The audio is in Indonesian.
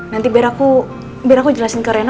nanti biar aku jelasin ke rena